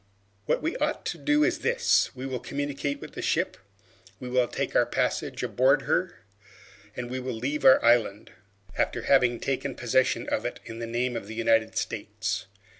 What we ought to do is this: we will communicate with the ship, we will take our passage on board her, and we will leave our island, after having taken possession of it in the name of the United States.